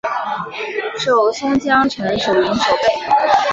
授松江城守营守备。